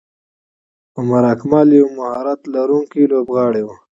عمر اکمل یو مهارت لرونکی لوبغاړی وو.